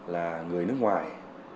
là người nước ngoài